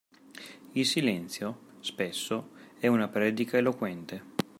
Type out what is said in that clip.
Il silenzio, spesso, è una predica eloquente.